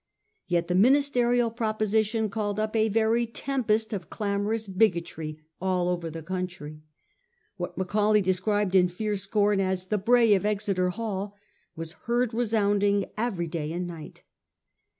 Yet the ministerial proposition called up a very tempest of clamorous bigotry all over the country. What Macaulay described in fierce scorn as 1 the bray of Exeter Hall ' was heard resounding every day and night.